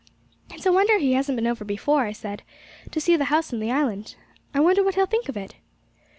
'It's a wonder he hasn't been over before,' I said, 'to see the house and the island. I wonder what he'll think of it?'